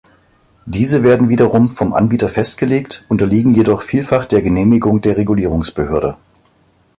Diese werden wiederum vom Anbieter festgelegt, unterliegen jedoch vielfach der Genehmigung der Regulierungsbehörde.